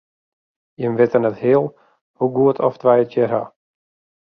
Jimme witte net heal hoe goed oft wy it hjir hawwe.